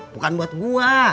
bukan buat gua